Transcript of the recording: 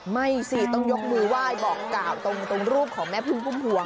ไม่สิต้องยกมือไหว้บอกกล่าวตรงรูปของแม่พึ่งพุ่มพวง